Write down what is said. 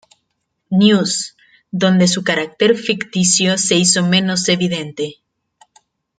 News, donde su carácter ficticio se hizo menos evidente.